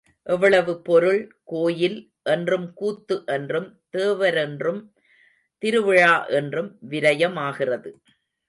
எவ்வளவு பொருள், கோயில் என்றும் கூத்து என்றும் தேவரென்றும், திருவிழா என்றும் விரயமாகிறது.